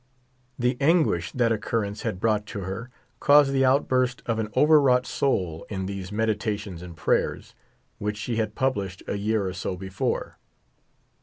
The anguish that occurrence had brought to her caused the outburst of an overwrought soul in these "Meditations and Prayers," which she had published a year or so before.